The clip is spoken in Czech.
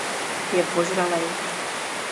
Je vožralej.